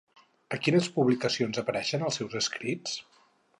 A quines publicacions apareixen els seus escrits?